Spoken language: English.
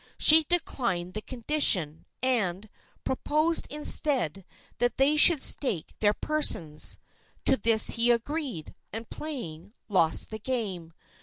She declined the condition, and proposed, instead, that they should stake their persons. To this he agreed, and, playing, lost the game.